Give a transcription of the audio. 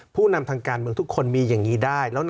ผู้นำทางการเมืองทุกคนมีอย่างนี้ได้